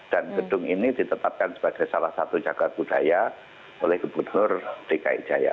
dan gedung ini ditetapkan sebagai salah satu jagar budaya oleh gubernur dki jaya